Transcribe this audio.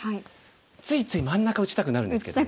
ついつい真ん中打ちたくなるんですけども。